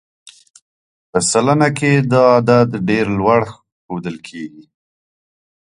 په سلنه کې دا عدد ډېر لوړ ښودل کېږي.